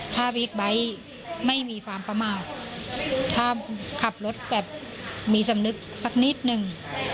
ถ้าบิ๊กไบท์ไม่มีความประมาทถ้าขับรถแบบมีสำนึกสักนิดนึง